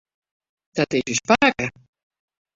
Dat is ús pake.